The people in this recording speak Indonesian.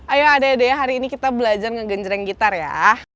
ayo ade ade ya hari ini kita belajar ngegenjreng gitar ya